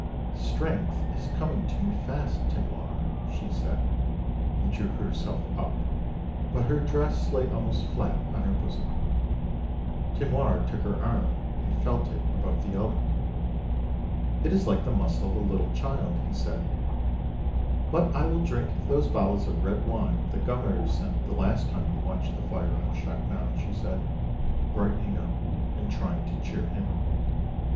" Strength is coming to me fast, Tinoir," she said, and drew herself up ; but her dress lay almost flat on her bosom. Tinoir took her arm and felt it above the elbow. " It is like the muscle of a little child," he said. " But I will drink those bottles of red wine rhe Governor sent the last time you watched the fire on Shaknon," she said, brightening up, and trying to cheer him.